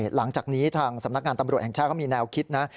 หลังจากนี้ทางสำนักงานตำรวจแห่งชาติเขามีแนวคิดนะ